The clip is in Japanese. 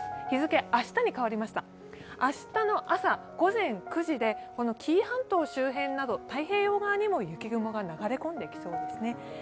日付明日に変わりました、明日の朝午前９時で紀伊半島周辺など太平洋側にも雪雲が流れ込んできそうですね。